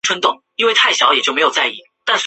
系统的名字通常是名称的一部分。